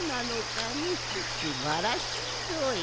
すばらしいぞい！